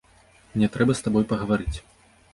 Мне трэба з табой пагаварыць.